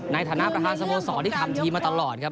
ในฐานะประธานสโมสรที่ทำทีมมาตลอดครับ